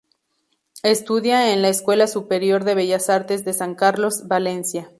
Estudia en la Escuela Superior de Bellas Artes de San Carlos, Valencia.